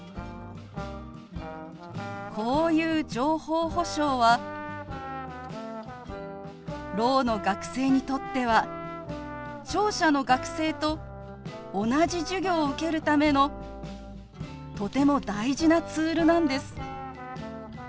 こういう情報保障はろうの学生にとっては聴者の学生と同じ授業を受けるためのとても大事なツールなんです。